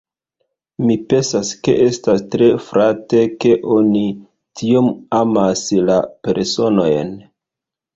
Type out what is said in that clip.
Mi pensas ke estas tre flate, ke oni tiom amas la personojn.